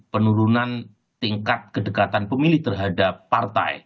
penurunan tingkat kedekatan pemilih terhadap partai